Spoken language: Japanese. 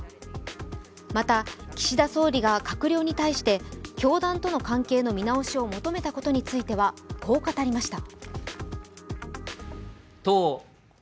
また、岸田総理が閣僚に対して教団との関係の見直しを求めたことについてはこう語りました。